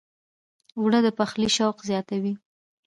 اوړه د پخلي شوق زیاتوي